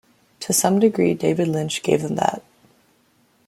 To some degree David Lynch gave them that.